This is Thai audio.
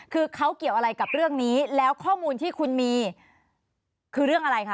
คือเขาเกี่ยวอะไรกับเรื่องนี้แล้วข้อมูลที่คุณมีคือเรื่องอะไรคะ